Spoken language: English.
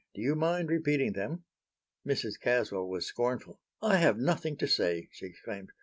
Do you mind repeating them?" Mrs. Caswell was scornful. "I have nothing to say," she exclaimed.